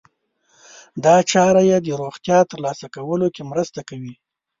دا چاره يې د روغتیا ترلاسه کولو کې مرسته کوي.